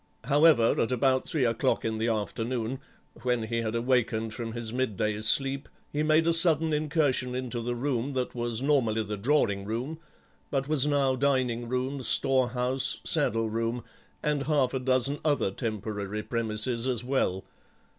However, at about three o'clock in the afternoon, when he had awakened from his midday sleep, he made a sudden incursion into the room that was normally the drawing room, but was now dining room, store house, saddle room, and half a dozen other temporary premises as well.